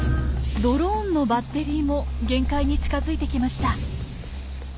ドローンのバッテリーも限界に近づいてきました。